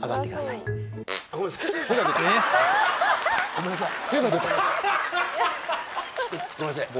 ごめんなさい。